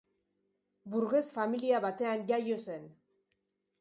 Burges familia batean jaio zen.